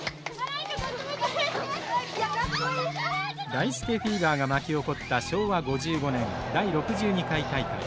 ダイスケフィーバーが巻き起こった昭和５５年第６２回大会。